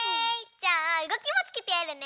じゃあうごきもつけてやるね。